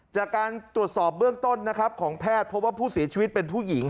จากการตรวจสอบเบื้องต้นนะครับของแพทย์พบว่าผู้เสียชีวิตเป็นผู้หญิง